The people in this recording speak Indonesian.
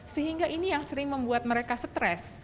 sehingga ini yang sering membuat mereka stres